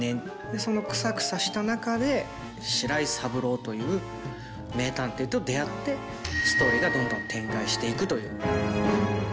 そのクサクサした中で白井三郎という名探偵と出会ってストーリーがどんどん展開していくという。